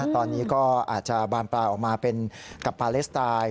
ตอนนี้ก็อาจจะบานปลายออกมาเป็นกับปาเลสไตล์